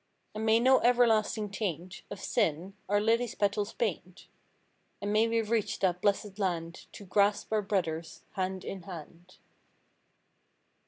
And may no everlasting taint Of sin, our lily's petals paint. And may we reach that blessed land To grasp our brothers hand in hand.